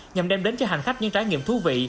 nhằm đem đến cho hành khách những trải nghiệm thú vị